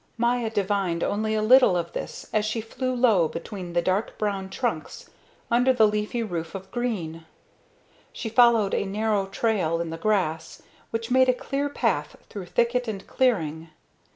Maya divined only a little of this as she flew low between the dark brown trunks under the leafy roof of green. She followed a narrow trail in the grass, which made a clear path through thicket and clearing.